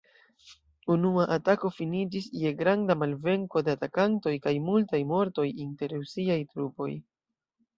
Unua atako finiĝis je granda malvenko de atakantoj kaj multaj mortoj inter Rusiaj trupoj.